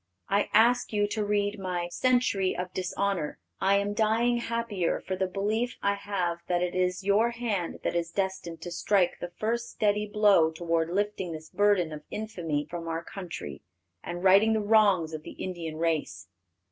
I ask you to read my Century of Dishonor. I am dying happier for the belief I have that it is your hand that is destined to strike the first steady blow toward lifting this burden of infamy from our country, and righting the wrongs of the Indian race.